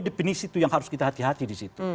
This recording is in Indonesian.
definisi itu yang harus kita hati hati di situ